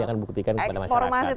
ini akan membuktikan kepada masyarakat